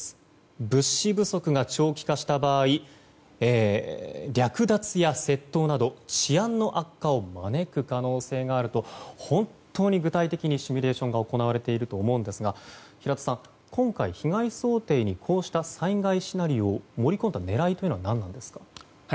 物資不足が長期化した場合略奪や窃盗など治安の悪化を招く可能性があると本当に具体的にシミュレーションが行われていると思うんですが平田さん、今回被害想定にこうした災害シナリオを盛り込んだ狙いは何なんですか。